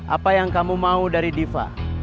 apa yang kamu mau dari diva